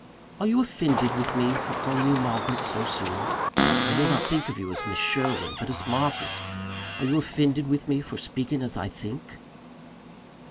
"Are you offended with me for calling you Margaret so soon? I do not think of you as Miss Sherwin, but as Margaret are you offended with me for speaking as I think?"